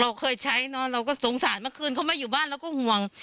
เราเคยใช้เนอะเราก็สงสารเมื่อคืนเขามาอยู่บ้านเราก็ห่วง